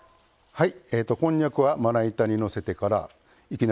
はい。